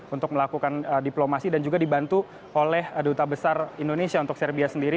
untuk melakukan diplomasi dan juga dibantu oleh duta besar indonesia untuk serbia sendiri